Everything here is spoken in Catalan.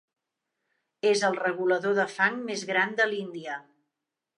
És el regulador de fang més gran de l'Índia.